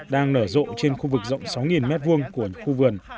đang nở rộ trên khu vực rộng sáu m hai của khu vườn